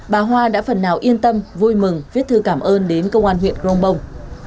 bà hoa đã phần nào yên tâm vui mừng viết thư cảm ơn đến công an huyện grongbong